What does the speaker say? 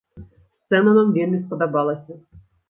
Сцэна нам вельмі спадабалася.